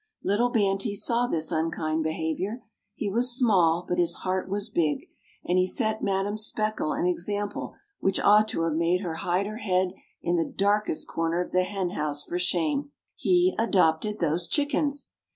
Little "Banty" saw this unkind behavior. He was small, but his heart was big, and he set Madam Speckle an example which ought to have made her hide her head in the darkest corner of the hen house for shame. He adopted those chickens!